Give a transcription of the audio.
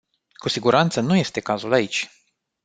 Cu siguranță, nu este cazul aici.